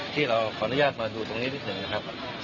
๓๐๔ที่เราขออนุญาตมาดูตรงนี้นิดหนึ่งนะครับ